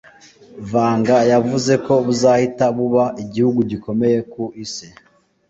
Vanga yavuze ko buzahita buba igihugu gikomeye ku Isi